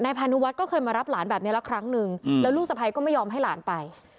พานุวัฒน์ก็เคยมารับหลานแบบนี้ละครั้งนึงแล้วลูกสะพ้ายก็ไม่ยอมให้หลานไป